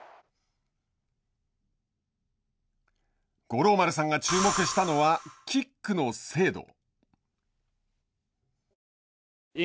五郎丸さんが注目したのはキックの精度。